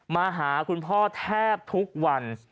มาหาคุณพ่อแทบทุกวัน